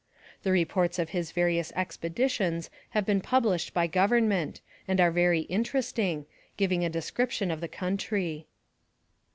The reports of his various expeditions have been pub lished by Government, and are very interesting, giving a description of the country.